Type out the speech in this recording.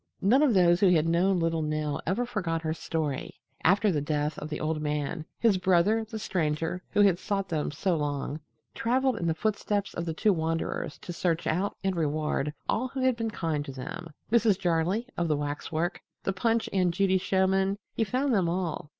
None of those who had known little Nell ever forgot her story. After the death of the old man, his brother, the Stranger who had sought them so long, traveled in the footsteps of the two wanderers to search out and reward all who had been kind to them Mrs. Jarley of the waxwork, the Punch and Judy showmen, he found them all.